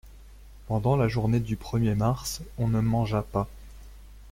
Pendant la journée du premier mars, on ne mangea pas.